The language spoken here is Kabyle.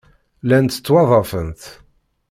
Llant ttwaḍḍafent.